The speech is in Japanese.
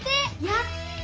やった！